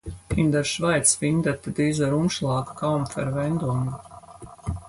In der Schweiz findet dieser Umschlag kaum Verwendung.